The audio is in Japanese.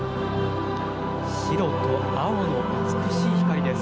白と青の美しい光です。